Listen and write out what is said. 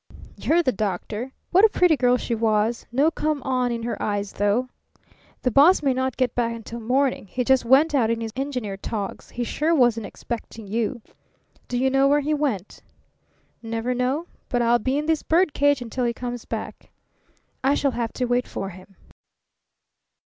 "You're the doctor!" What a pretty girl she was. No come on in her eyes, though. "The boss may not get back until morning. He just went out in his engineer's togs. He sure wasn't expecting you. "Do you know where he went?" "Never know. But I'll be in this bird cage until he comes back." "I shall have to wait for him."